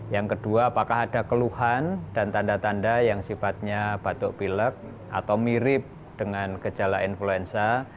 yang kedua apakah ada keluhan dan tanda tanda yang sifatnya batuk pilek atau mirip dengan gejala influenza